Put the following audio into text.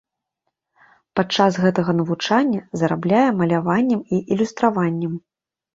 Падчас гэтага навучання зарабляе маляваннем і ілюстраваннем.